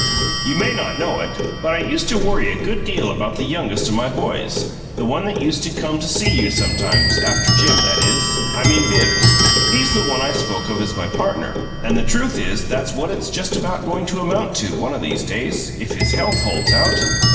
"You may not know it, but I used to worry a good deal about the youngest o' my boys the one that used to come to see you sometimes, after Jim that is, I mean Bibbs. He's the one I spoke of as my partner; and the truth is that's what it's just about goin' to amount to, one o' these days if his health holds out.